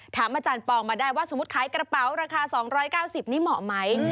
ถามอาจารย์ปองมาได้ว่าสมมุติขายกระเป๋าราคา๒๙๐นี่เหมาะไหม